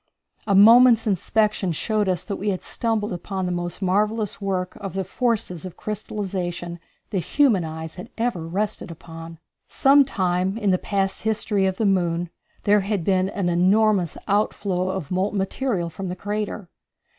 A moment's inspection showed that we had stumbled upon the most marvellous work of the forces of crystallization that human eyes had ever rested upon. Some time in the past history of the moon there had been an enormous outflow of molten material from the crater.